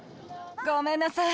ごめんなさい。